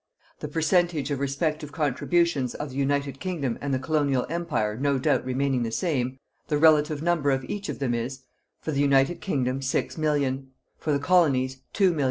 The percentage of respective contributions of the United Kingdom and the Colonial Empire no doubt remaining the same, the relative number of each of them is, for the United Kingdom 6,000,000; for the Colonies 2,000,000.